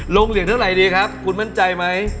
ลงเหลี่ยนเท่าไหร่ว่าดีครับคุณมั่นใจมั้ย